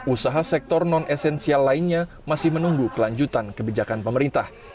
usaha sektor non esensial lainnya masih menunggu kelanjutan kebijakan pemerintah